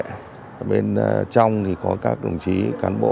ở bên trong thì có các đồng chí cán bộ